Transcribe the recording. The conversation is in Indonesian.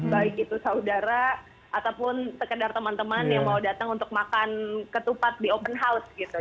baik itu saudara ataupun sekedar teman teman yang mau datang untuk makan ketupat di open house gitu